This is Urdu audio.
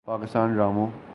پاکستانی ڈراموں